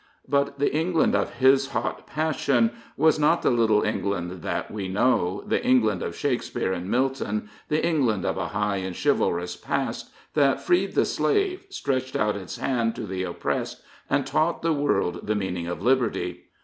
But the England of his hot passion was not the little England that we know, the England of Shakespeare and Milton, the England of a high and chivalrous past, that freed the slave, stretched out its hand to the oppressed and taught the world the meaning of liberty.